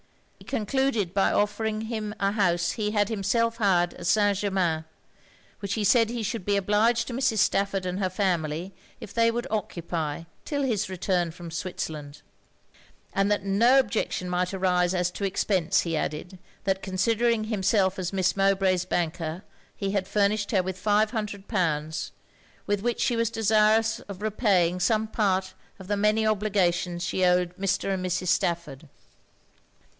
He concluded by offering him a house he had himself hired at St. Germains; which he said he should be obliged to Mrs. Stafford and her family if they would occupy 'till his return from Switzerland. And that no objection might arise as to expence, he added, that considering himself as Miss Mowbray's banker, he had furnished her with five hundred pounds, with which she was desirous of repaying some part of the many obligations she owed Mr. and Mrs. Stafford.